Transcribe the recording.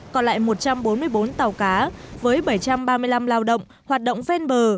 còn lại một trăm bốn mươi bốn tàu cá với bảy trăm ba mươi năm lao động hoạt động ven bờ